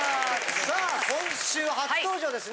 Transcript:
さあ今週初登場ですね。